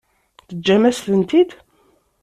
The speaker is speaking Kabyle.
Teǧǧam-as-tent-id?